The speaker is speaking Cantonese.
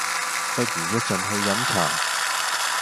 不如一陣去飲茶